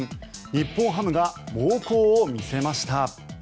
日本ハムが猛攻を見せました。